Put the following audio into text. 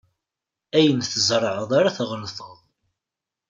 Ayen tzerɛd ara tɣellteḍ.